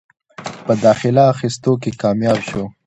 پۀ داخله اخستو کښې کامياب شو ۔